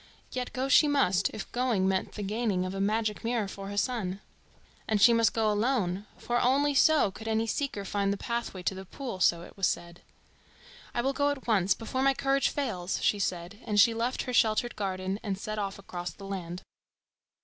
Yet go she must, if going meant the gaining of a magic mirror for her son. And she must go alone, for only so could any seeker find the pathway to the pool, so it was said. "I will go at once, before my courage fails," she said, and she left her sheltered garden and set off across the land.